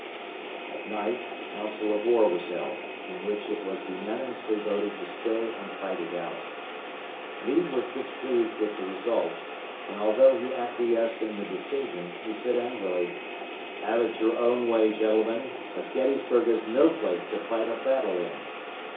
At night a council of war was held, in which it was unanimously voted to stay and fight it out. Meade was displeased with the result, and although he acquiesced in the decision, he said angrily, "Have it your own way, gentlemen, but Gettysburg is no place to fight a battle in."